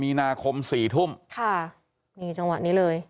๗มีนาคม๔ทุ่มค่ะในจังหวะนี้เลย